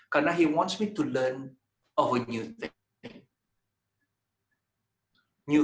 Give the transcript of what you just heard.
karena dia ingin saya belajar tentang hal baru